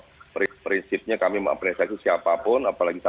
tentu ada mekanisme di internal maupun di setiap institusi dalam rangka meresponsi